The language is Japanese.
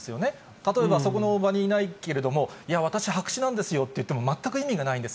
例えば、そこの場にいないけれども、いや私、白紙なんですよと言っても全く意味がないんです。